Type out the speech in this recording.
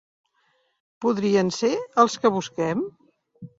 Podrien ser els que busquem?